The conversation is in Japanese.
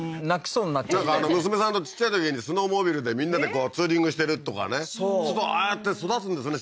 そうになっちゃって娘さんのちっちゃいときにスノーモービルでみんなでツーリングしてるとかねするとああやって育つんですね